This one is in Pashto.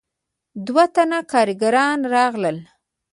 دوه تنه کارګران راغلل.